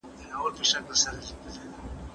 تاریخ د ملتونو هنداره ده.